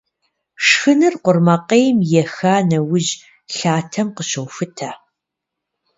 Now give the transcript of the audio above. Шхыныр къурмакъейм еха нэужь, лъатэм къыщохутэ.